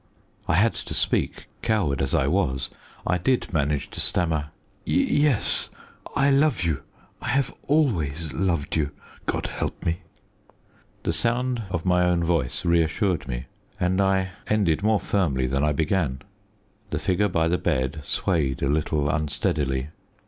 I had to speak. Coward as I was, I did manage to stammer "Yes; I love you. I have always loved you, God help me!" The sound of my own voice reassured me, and I ended more firmly than I began. The figure by the bed swayed a little unsteadily.